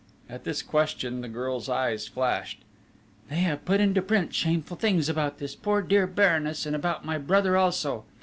At this question the girl's eyes flashed: "They have put into print shameful things about this poor dear Baroness, and about my brother also.